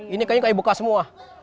ini kayu bekas semua